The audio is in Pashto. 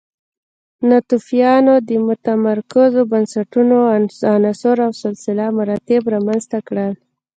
ناتوفیانو د متمرکزو بنسټونو عناصر او سلسله مراتب رامنځته کړل